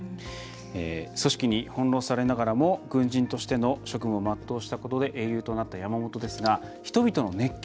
組織に翻弄されながらも軍人としての職務を全うしたことで英雄となった山本ですが人々の熱狂